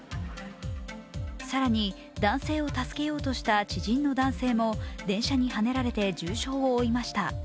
更に男性を助けようとした知人の男性も電車にはねられて重傷を負いました。